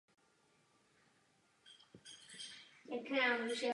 Podobné myšlenky se objevily i v protestantských a později i pravoslavných církvích.